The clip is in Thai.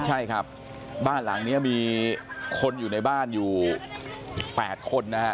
ใช่ครับบ้านหลังนี้มีคนอยู่ในบ้านอยู่๘คนนะฮะ